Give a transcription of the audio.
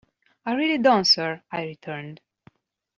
"I really don't, sir," I returned.